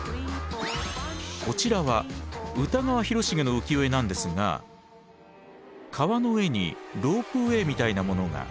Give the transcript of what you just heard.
こちらは歌川広重の浮世絵なんですが川の上にロープウエーみたいなものが。